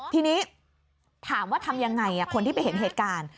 ทีนี้ถามว่าทำยังไงคนที่ไปเห็นเหตุการณ์